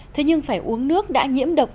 thế nhưng phải uống nước đã nhiễm độc